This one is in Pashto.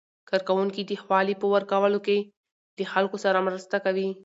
کارکوونکي د حوالې په ورکولو کې له خلکو سره مرسته کوي.